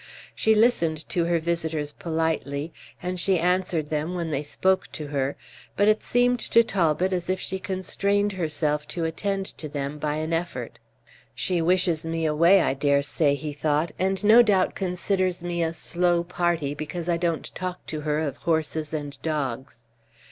She listened to her visitors politely, and she answered them when they spoke to her, but it seemed to Talbot as if she constrained herself to attend to them by an effort. "She wishes me away, I dare say," he thought, "and no doubt considers me a 'slow party' because I don't talk to her of horses and dogs."